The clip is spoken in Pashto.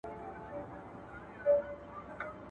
زما او د پښتونخوا د سترګو تور منظور .